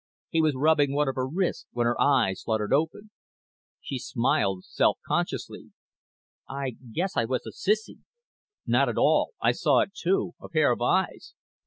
He was rubbing one of her wrists when her eyes fluttered open. She smiled self consciously. "I guess I was a sissy." "Not at all. I saw it, too. A pair of eyes."